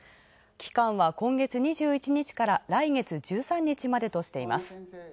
期間は今月２１日から来月１３日までとしています。